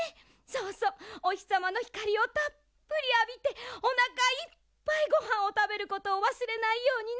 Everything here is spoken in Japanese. そうそうおひさまのひかりをたっぷりあびておなかいっぱいごはんをたべることをわすれないようにね。